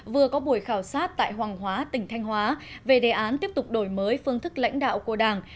vừa có buổi khảo sát tại hoàng hóa tỉnh thanh hóa về đề án tiếp tục đổi mới phương thức lãnh đạo của đảng